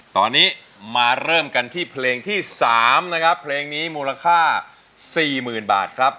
ตอนนี้มาเริ่มกันที่เพลงที่๓นะครับเพลงนี้มูลค่า๔๐๐๐บาทครับ